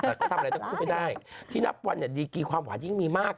แต่ก็ทำอะไรทั้งคู่ไม่ได้ที่นับวันเนี่ยดีกีความหวานยิ่งมีมาก